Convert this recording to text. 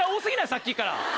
さっきから。